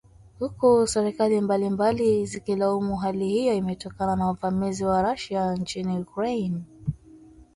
huku serikali mbalimbali zikilaumu hali hiyo imetokana na uvamizi wa Russia nchini Ukraine